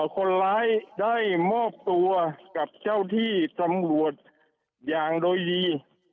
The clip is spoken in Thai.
คนร้ายได้มอบตัวกับเจ้าที่ตำรวจอย่างโดยดี